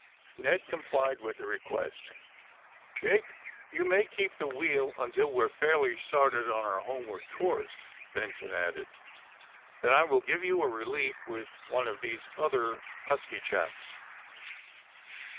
Ned complied with the request. ^^ Jake, you may keep the wheel until we are fairly started on our homeward course," Ben son added. *' Then I will give you a relief with one of these other husky chaps."